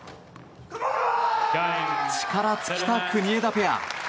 力尽きた国枝ペア。